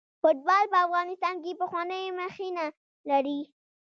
فوټبال په افغانستان کې پخوانۍ مخینه لري.